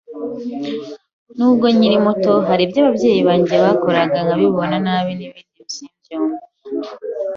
N’ubwo nkiri muto hari ibyo ababyeyi banjye bakoraga nkabibona nabi ibindi simbyumve,